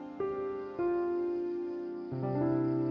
นี่จ๊ะเท้าแก่